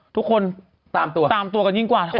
ทุกคนตามตัวกันยิ่งกว่า